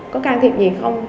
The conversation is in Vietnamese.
có can thiệp gì không